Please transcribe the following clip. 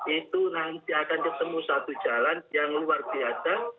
itu nanti akan ketemu satu jalan yang luar biasa